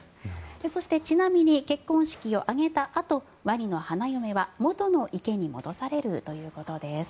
そしてちなみに結婚式を挙げたあとワニの花嫁は元の池に戻されるということです。